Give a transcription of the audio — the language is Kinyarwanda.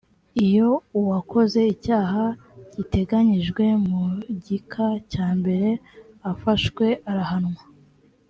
iyo uwakoze icyaha giteganyijwe mu gika cya mbere afashwe arahanwa.